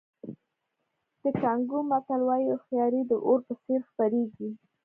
د کانګو متل وایي هوښیاري د اور په څېر خپرېږي.